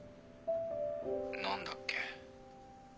何だっけ。